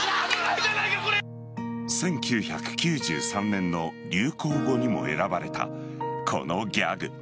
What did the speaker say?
１９９３年の流行語にも選ばれたこのギャグ。